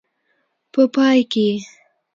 په پای کې.